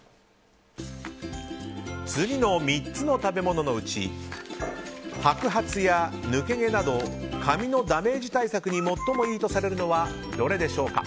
次の３つの食べ物のうち白髪や抜け毛など髪のダメージ対策に最もいいとされるのはどれでしょうか？